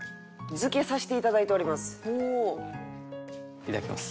いただきます。